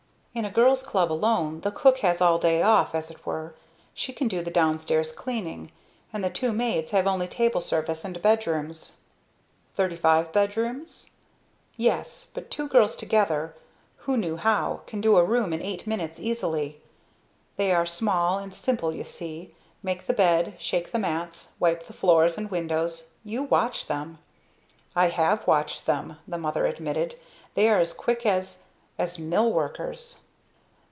"In a Girl's Club alone the cook has all day off, as it were; she can do the down stairs cleaning. And the two maids have only table service and bedrooms." "Thirty five bedrooms?" "Yes. But two girls together, who know how, can do a room in 8 minutes easily. They are small and simple you see. Make the bed, shake the mats, wipe the floors and windows, you watch them!" "I have watched them," the mother admitted. "They are as quick as as mill workers!"